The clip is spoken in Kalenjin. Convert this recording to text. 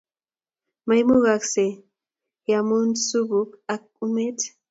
Maimugasgee iam supuk ak umet